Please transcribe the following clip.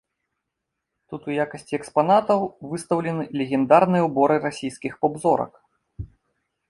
Тут у якасці экспанатаў выстаўлены легендарныя ўборы расійскіх поп-зорак.